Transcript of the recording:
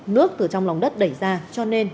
nước từ trong lòng đất đẩy ra cho nên